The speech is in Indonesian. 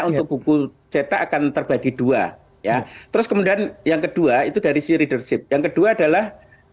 untuk buku cetak akan terbagi dua ya terus kemudian yang kedua itu dari si readership yang kedua adalah